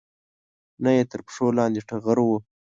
نه یې تر پښو لاندې ټغر و